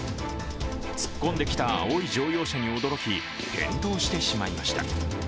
突っ込んできた青い乗用車に驚き転倒してしまいました。